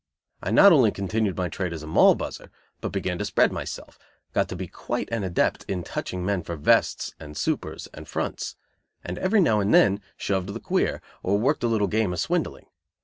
I not only continued my trade as Moll buzzer, but began to spread myself, got to be quite an adept in touching men for vests and supers and fronts; and every now and then "shoved the queer" or worked a little game of swindling.